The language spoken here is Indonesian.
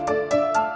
selamat malam uangnya